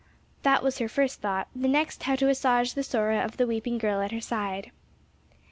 That was her first thought, the next how to assuage the sorrow of the weeping girl at her side.